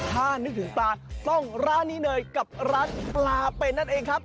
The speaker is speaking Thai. ถ้านึกถึงปลาต้องร้านนี้เลยกับร้านปลาเป็นนั่นเองครับ